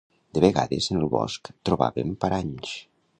De vegades, en el bosc trobàvem paranys.